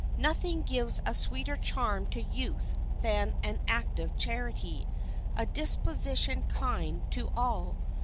Nothing gives a sweeter charm to youth than an active charity, a disposition kind to all.